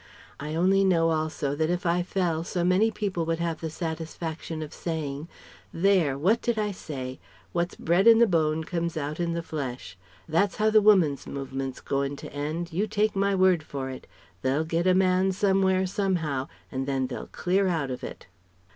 I only know also that if I fell, so many people would have the satisfaction of saying: 'There! what did I say? What's bred in the bone comes out in the flesh. That's how the Woman's Movement's goin' to end, you take my word for it! They'll get a man somewhere, somehow, and then they'll clear out of it.'